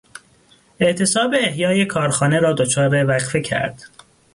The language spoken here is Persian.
اعتصاب احیای کارخانه را دچار وقفه کرد.